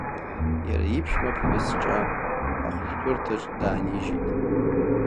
Иара иԥшәма ԥҳәыс ҿа ахәшәтәырҭаҿ даанижьит.